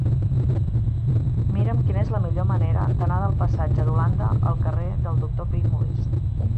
Mira'm quina és la millor manera d'anar del passatge d'Holanda al carrer del Doctor Pi i Molist.